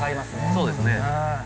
そうですね。